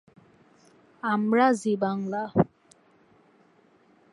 " আমরা জি বাংলা।